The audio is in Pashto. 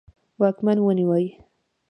واکمن ونیوی.